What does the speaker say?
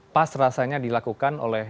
pas rasanya dilakukan oleh